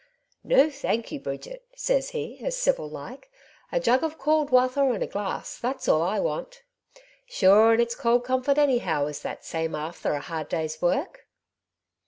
* No, thank you, Bridget,' ses he, as civil like; *a jug of cauld wather, and a glass, that's all I want.' Sure and it's cauld comfort anyhow is that same afther a hard day's work."